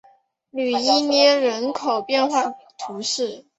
吕伊涅人口变化图示